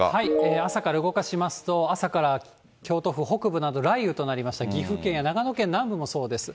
朝から動かしますと、朝から京都府北部など、雷雨となりました岐阜県や長野県南部もそうです。